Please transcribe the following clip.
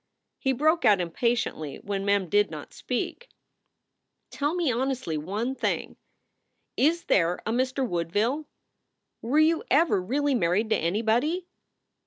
He broke out impatiently when Mem did not speak. i52 SOULS FOR SALE "Tell me honestly one thing, Is there a Mr. Woodville? Were you ever really married to anybody?"